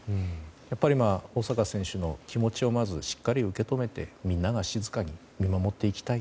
やっぱり、大坂選手の気持ちをしっかり受け止めてみんなが静かに見守っていきたい